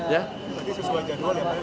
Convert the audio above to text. jadi sesuai jadwal ya